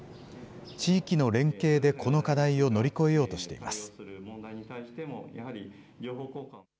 地域の連携でこの課題を乗り越えようとしています。